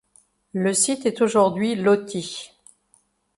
Le site est aujourd'hui loti.